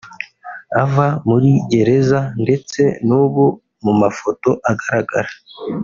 Ava muri Gereza ndetse n’ubu mu mafoto agaragara